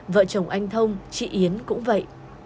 vợ chồng anh thông chị yến cũng vậy